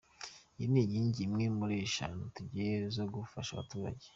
Iyi ni inkingi imwe muri eshanu tugira zo gufasha abaturage.